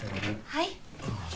はい。